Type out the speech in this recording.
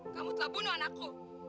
kamu telah bunuh anakku